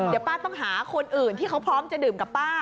เดี๋ยวป้าต้องหาคนอื่นที่เขาพร้อมจะดื่มกับป้า